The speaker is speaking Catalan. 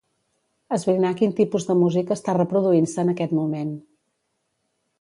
Esbrinar quin tipus de música està reproduint-se en aquest moment.